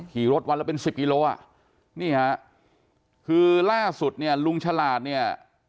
ขี่รถวันละเป็นสิบกิโลอ่ะนี่ฮะคือล่าสุดเนี่ยลุงฉลาดเนี่ย